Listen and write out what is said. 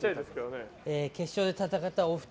決勝で戦ったお二人